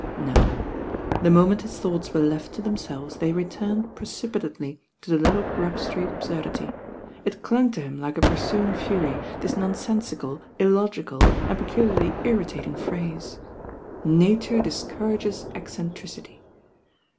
No; the moment his thoughts were left to them selves, they returned precipitately to the little Grub Street absurdity. It clung to him like a pursuing fury, this nonsensical, illogical and peculiarly irritat ing phrase. "Nature discourages eccentricity!"